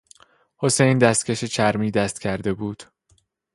حسین دستکش چرمی دست کرده بود.